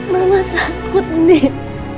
mama takut ndin